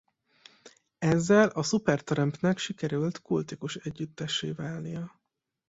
Ezzel a Supertramp-nek sikerült egy kultikus együttessé válnia.